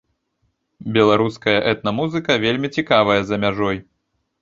Беларуская этна-музыка вельмі цікавая за мяжой.